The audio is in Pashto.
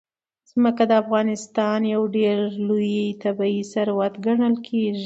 ځمکه د افغانستان یو ډېر لوی طبعي ثروت ګڼل کېږي.